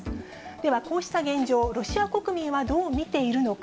では、こうした現状、ロシア国民はどう見ているのか。